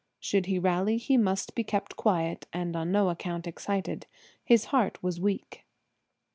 Should he rally he must be kept quiet, and on no account excited; his heart was weak.